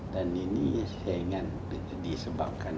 dan ini saya ingin disebabkan